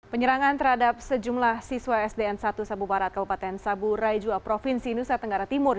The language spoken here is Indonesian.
penyerangan terhadap sejumlah siswa sdn satu sabu barat kabupaten sabu raijua provinsi nusa tenggara timur